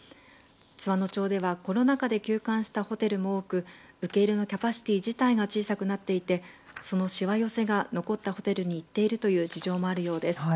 津和野町ではコロナ禍で休館したホテルも多く受け入れのキャパシティー自体が小さくなっていてそのしわ寄せが残ったホテルにいっているという事情もあるようです。